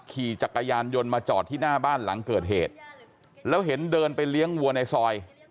ขี่จักรยานยนต์มาจอดที่หน้าบ้านหลังเกิดเหตุแล้วเห็นเดินไปเลี้ยงวัวในซอย